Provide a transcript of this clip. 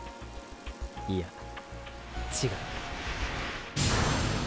いや違う。